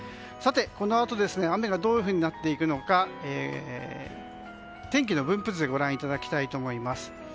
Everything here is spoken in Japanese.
このあと雨がどういうふうになっていくのか天気の分布図でご覧いただきたいと思います。